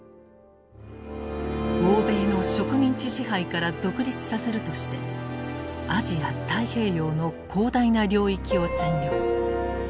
欧米の植民地支配から独立させるとしてアジア太平洋の広大な領域を占領。